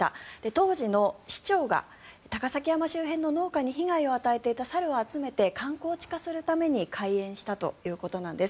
当時の市長が高崎山周辺の農家に被害を与えていた猿を集めて観光地化するために開園したということなんです。